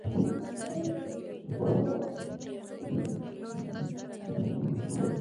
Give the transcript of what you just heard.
ټولو تور پوستو ته وویل شول چې تګ راتګ و نه کړي.